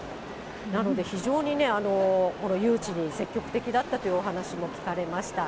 なので、非常に誘致に積極的だったというお話も聞かれました。